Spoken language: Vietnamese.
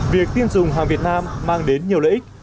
việc tiêu dùng hàng việt nam mang đến nhiều lợi ích